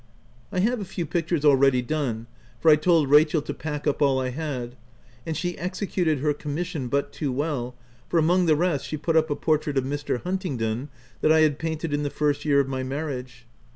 I have a few pictures already done, for I told Rachel to pack up all I had ; and she executed her commission but too well, for among the rest, she put up a portrait of Mr. Huntingdon that I had painted in the first year of my marriage.